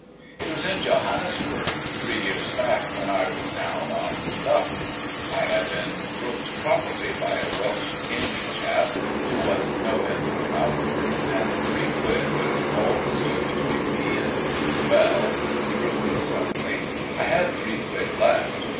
"It was in Johannesburg three years back, when I was down on me luck. I had been rooked properly by a Welsh gaming chap who was no end of a bounder, and three quid was all that stood between me and—well," he broke in, suddenly, "I had three quid left.